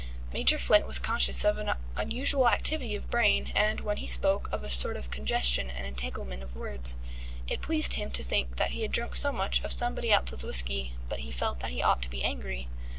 Major Flint was conscious of an unusual activity of brain, and, when he spoke, of a sort of congestion and entanglement of words. It pleased him to think that he had drunk so much of somebody else's whisky, but he felt that he ought to be angry.